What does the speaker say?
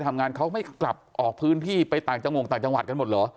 ทำงานเขาไม่กลับออกพื้นที่ไปต่างจังหวัดต่างจังหวัดกันหมดเหรอ